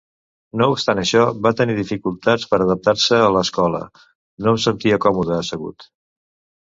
No obstant això, va tenir dificultats per adaptar-se a l'escola: "No em sentia còmode assegut.